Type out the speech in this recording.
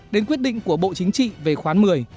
đến quyết định của bộ chính trị về khoán một mươi